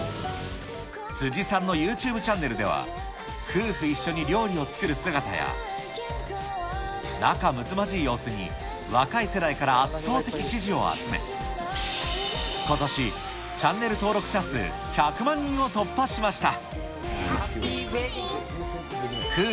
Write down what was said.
辻さんのユーチューブチャンネルでは、夫婦一緒に料理を作る姿や、仲むつまじい様子に、若い世代から圧倒的支持を集め、ことしチャンネル登録者数１００万人を突破しました。